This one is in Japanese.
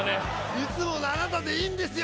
いつものあなたでいいんですよ！